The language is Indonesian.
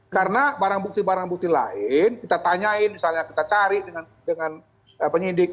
karena barang bukti barang bukti lain kita tanyain misalnya kita cari dengan penyidik